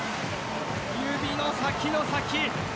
指の先の先。